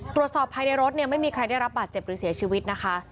ตรวจสอบภายในรถเนี่ยไม่มีใครได้รับบาดเจ็บหรือเสียชีวิตนะคะ